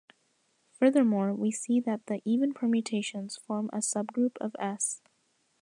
Furthermore, we see that the even permutations form a subgroup of "S".